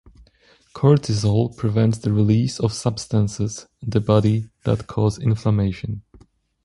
Cortisol prevents the release of substances in the body that cause inflammation.